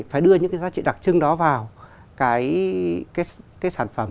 phải đưa những cái giá trị đặc trưng đó vào cái sản phẩm